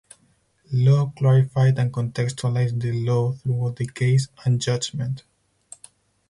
Loh clarified and contextualized the law throughout the case and judgement.